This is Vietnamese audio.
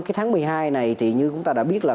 cái tháng một mươi hai này thì như chúng ta đã biết là